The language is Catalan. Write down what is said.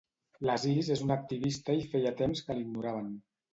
L'Aziz és una activista i feia temps que l'ignoraven.